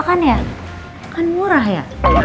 kan ya kan murah ya